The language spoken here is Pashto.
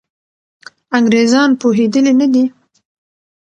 انګریزان پوهېدلي نه دي.